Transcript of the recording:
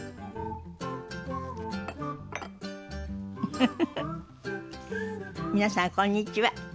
フフフフ皆さんこんにちは。